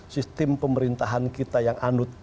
sistem pemerintahan kita yang anut